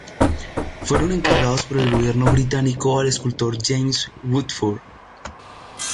Fueron encargados por el gobierno británico al escultor James Woodford.